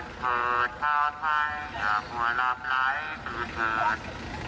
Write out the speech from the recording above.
ตื่นถ้าใครอยากมาหลับไหนตื่น